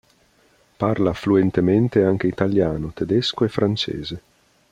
Parla fluentemente anche italiano, tedesco e francese.